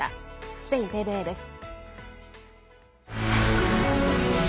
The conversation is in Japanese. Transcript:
スペインＴＶＥです。